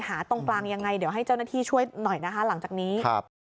ตรงกลางยังไงเดี๋ยวให้เจ้าหน้าที่ช่วยหน่อยนะคะหลังจากนี้ครับ